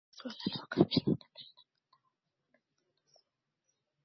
suala la ukabila ndilo ambalo linaonekana kuwa